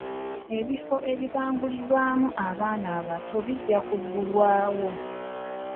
Ebifo ebibangulirwamu abaana abato bijja kuggulwawo.